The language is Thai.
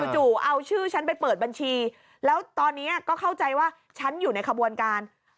จู่เอาชื่อฉันไปเปิดบัญชีแล้วตอนนี้ก็เข้าใจว่าฉันอยู่ในขบวนการ